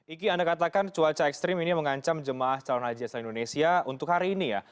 iki anda katakan cuaca ekstrim ini mengancam jemaah calon haji asal indonesia untuk hari ini ya